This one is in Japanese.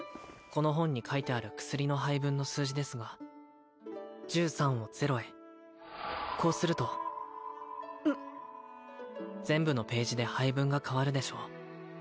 この本に書いてある薬の配分の数字ですが１３をゼロへこうすると全部のページで配分が変わるでしょう？